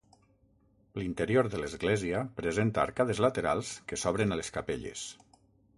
L'interior de l'església presenta arcades laterals que s'obren a les capelles.